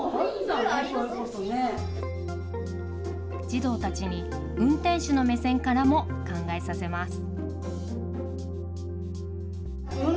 児童たちに運転手の目線からも考えさせます。